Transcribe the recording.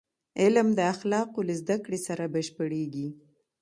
علم د اخلاقو له زدهکړې سره بشپړېږي.